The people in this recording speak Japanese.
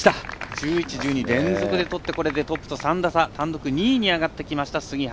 １１、１２、連続でとってトップと３打差単独２位に上がってきました杉原。